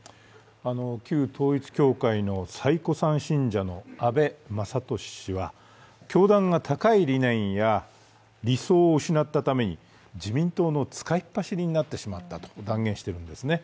旧統一教会の最古参信者の阿部正寿氏は、教団が高い理念や理想を失ったために自民党の使いっ走りになってしまったと断言しているんですね。